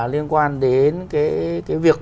liên quan đến cái việc